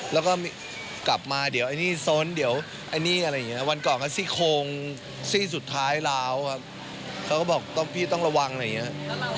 แล้วก็กลับมาเดี๋ยวไอ้นี่ส้นเดี๋ยวไอ้นี่อะไรอย่างนี้วันก่อนก็ซี่โครงซี่สุดท้ายล้าวครับเขาก็บอกพี่ต้องระวังอะไรอย่างนี้